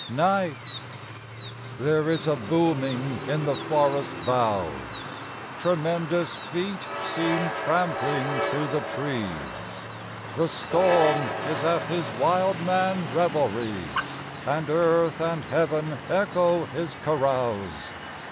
IV Night There is a booming in the forest boughs; Tremendous feet seem trampling through the trees: The storm is at his wildman revelries, And earth and heaven echo his carouse.